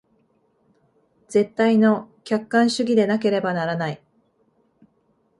絶対の客観主義でなければならない。